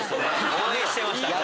応援してましたから。